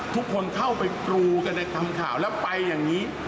ทุกคนเข้าไปกรูกันในทำข่าวแล้วไปอย่างนี้